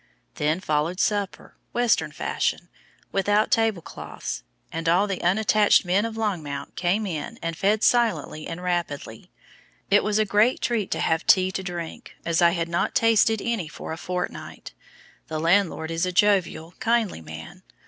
Then followed supper, Western fashion, without table cloths, and all the "unattached" men of Longmount came in and fed silently and rapidly. It was a great treat to have tea to drink, as I had not tasted any for a fortnight. The landlord is a jovial, kindly man.